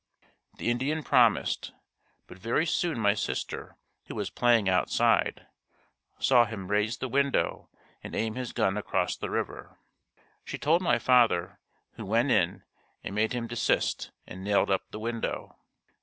The Indian promised, but very soon my sister who was playing outside, saw him raise the window and aim his gun across the river. She told my father, who went in and made him desist and nailed up the window.